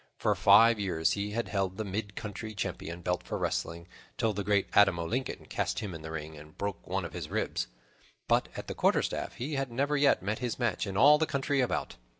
For five years he had held the mid country champion belt for wrestling, till the great Adam o' Lincoln cast him in the ring and broke one of his ribs; but at quarterstaff he had never yet met his match in all the country about.